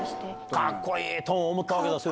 かっこいいと思ったわけだ？